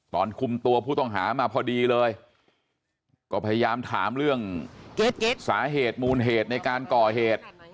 ตอนคุมตัวผู้ต้องหามาพอดีเลยก็พยายามถามเรื่องสาเหตุมูลเหตุในการก่อเหตุ